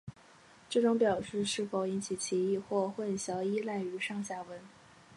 这种表示是否引起歧义或混淆依赖于上下文。